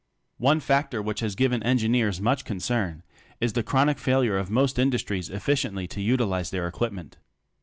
One factor which has given engineers much concern is the chronic failure of most industries efficiently to utilize their equipment.